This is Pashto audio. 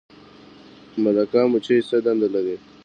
ملکه مچۍ څه دنده لري؟